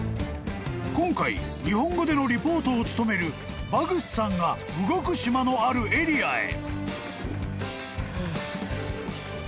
［今回日本語でのリポートを務めるバグスさんが動く島のあるエリアへ］